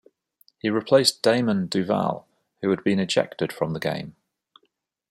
He replaced Damon Duval, who had been ejected from the game.